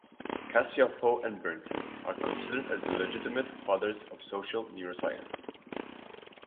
Cacioppo and Berntson are considered as the legitimate fathers of social neuroscience.